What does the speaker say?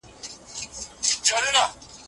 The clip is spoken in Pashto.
ټولنیز شرایط د شاعر په کلام اغېز کوي.